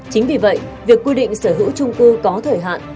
chính vì vậy việc quy định sở hữu trung cư có thời hạn